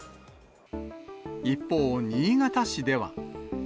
一方、新潟市では。